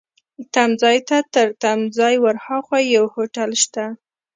تمځای ته، تر تمځای ورهاخوا یو هوټل شته.